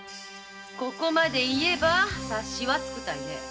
ここまで言えば察しはつくたいね。